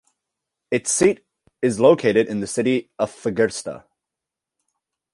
Its seat is located in the city of Fagersta.